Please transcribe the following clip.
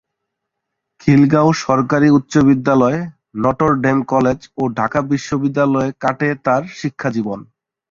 খিলগাঁও সরকারী উচ্চবিদ্যালয়, Notre Dame college ও ঢাকা বিশ্ববিদ্যালয়ে কাটে তার শিক্ষাজীবন।